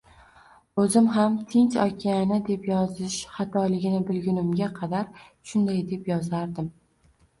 Oʻzim ham Tinch okeani deb yozish xatoligini bilgunimga qadar shunday yozardim